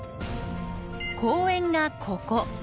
公園がここ。